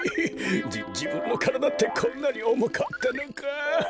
じじぶんのからだってこんなにおもかったのか。